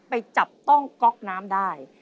ไปจับต้องก๊อกน้ำได้